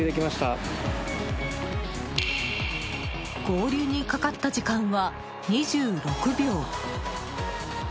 合流にかかった時間は２６秒。